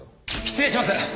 失礼します！